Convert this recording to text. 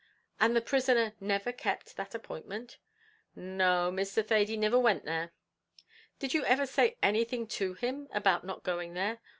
"And the prisoner never kept that appointment?" "No, Mr. Thady niver went there." "Did you ever say anything to him about not going there?"